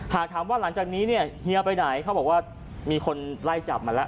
หากถามว่าหลังจากนี้เนี่ยเฮียไปไหนเขาบอกว่ามีคนไล่จับมาแล้ว